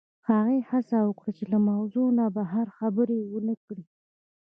هغې هڅه وکړه چې له موضوع نه بهر خبرې ونه کړي